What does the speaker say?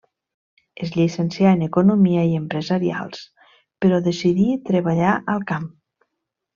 Es llicencià en economia i empresarials però decidí treballar al camp.